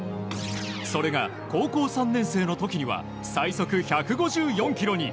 それが高校３年生の時には最速１５４キロに。